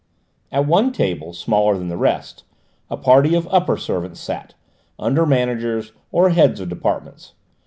At one table, smaller than the rest, a party of upper servants sat, under managers or heads of departments: M.